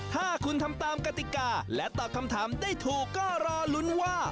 ถ้าคุณทำตามกติกาและตอบคำถามได้ถูกก็รอลุ้นว่า